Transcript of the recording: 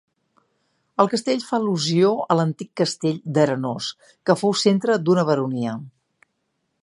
El castell fa al·lusió a l'antic castell d'Arenós, que fou centre d'una baronia.